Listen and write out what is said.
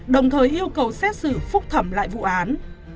đồng thời yêu cầu xét xử phúc thẩm lại vụ án